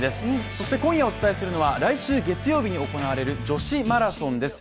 そして今夜お伝えするのは来週月曜日に行われる女子マラソンです。